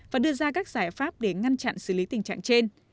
và đưa ra các giải pháp để ngăn chặn xử lý tình trạng trên